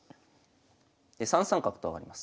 ３三角と上がります。